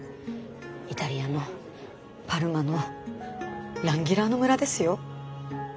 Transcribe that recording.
イタリアのパルマのランギラーノ村ですよ？